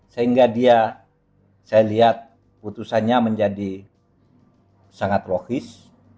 sehingga dia saya lihat putusannya menjadi sangat logis